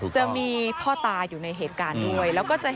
จะมีพ่อตายอยู่ในเหตุการณ์ด้วย